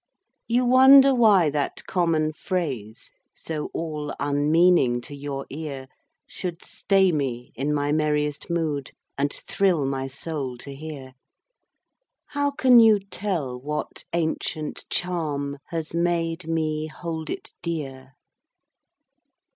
You wonder why that common phrase, So all unmeaning to your ear, Should stay me in my merriest mood, And thrill my soul to hear How can you tell what ancient charm Has made me hold it dear?